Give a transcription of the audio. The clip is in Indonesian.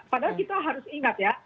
padahal kita harus ingat ya